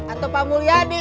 atau pak mulyadi